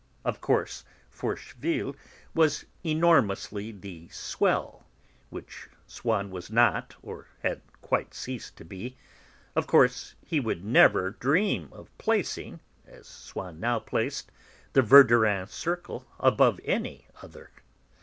Of course, Forcheville was enormously the 'swell,' which Swann was not or had quite ceased to be; of course, he would never dream of placing, as Swann now placed, the Verdurin circle above any other.